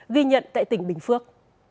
ghi nhận tại tỉnh bình phước